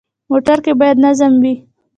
موټر کې باید نظم وي.